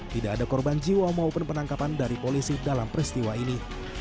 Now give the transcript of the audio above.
tidak ada korban jiwa maupun penangkapan dari polisi dalam peristiwa ini